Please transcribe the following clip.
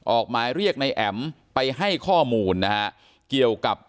ออกหมายเรียกในแอ๋มไปให้ข้อมูลนะฮะเกี่ยวกับ